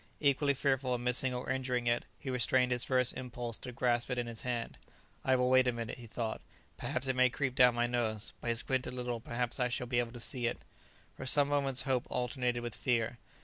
Equally fearful of missing or injuring it, he restrained his first impulse to grasp it in his hand. "I will wait a minute," he thought; "perhaps it may creep down my nose; by squinting a little perhaps I shall be able to see it." For some moments hope alternated with fear.